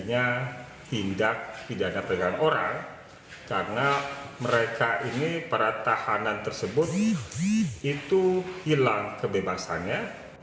hanya tindak pidana perdagangan orang karena mereka ini para tahanan tersebut itu hilang kebebasannya